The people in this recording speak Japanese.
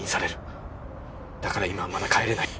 だから今はまだ帰れない。